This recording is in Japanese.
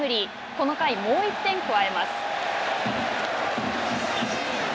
この回もう１点、加えます。